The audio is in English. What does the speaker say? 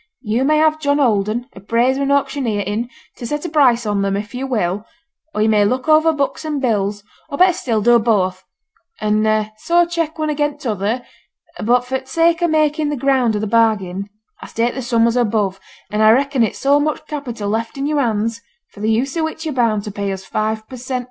You may have John Holden, appraiser and auctioneer, in to set a price on them if yo' will; or yo' may look over books and bills; or, better still, do both, and so check one again t'other; but for t' sake o' making the ground o' the bargain, I state the sum as above; and I reckon it so much capital left in yo'r hands for the use o' which yo're bound to pay us five per cent.